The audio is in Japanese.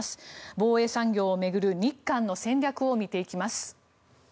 防衛産業を巡る日韓の戦略を見ていきます。